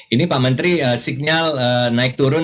ini pak menteri signal naik turun